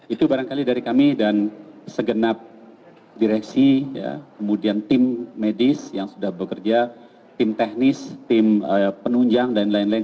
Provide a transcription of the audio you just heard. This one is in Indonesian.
itu barangkali dari kami dan segenap direksi kemudian tim medis yang sudah bekerja tim teknis tim penunjang dan lain lain